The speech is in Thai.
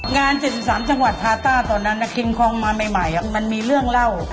๗๓จังหวัดพาต้าตอนนั้นกินคลองมาใหม่มันมีเรื่องเล่า